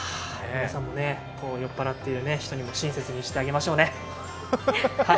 皆さんも酔っ払ってる人にも親切にしてあげましょうね。